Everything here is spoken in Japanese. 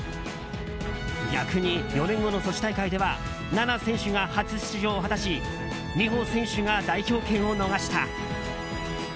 逆に、４年後のソチ大会では菜那選手が初出場を果たし美帆選手が代表権を逃した。